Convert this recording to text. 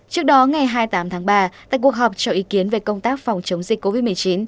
trước đó ngày hai mươi tám tháng ba tại cuộc họp cho ý kiến về công tác phòng chống dịch covid một mươi chín